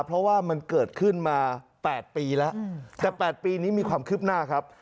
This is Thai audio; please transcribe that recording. เพราะว่ามันเกิดขึ้นมา๘ปีแล้วแต่๘ปีนี้มีความคืบหน้าครับ